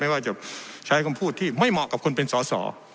ว่าจะใช้คำพูดที่ไม่เหมาะกับคนเป็นสอสอ